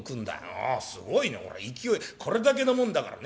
おすごいねこりゃ勢いこれだけのもんだからね